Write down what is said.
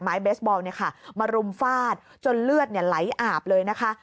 เบสบอลมารุมฟาดจนเลือดไหลอาบเลยนะคะ